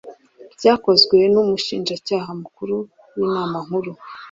byakozwe n umushinjacyaha mukuru n inama nkuru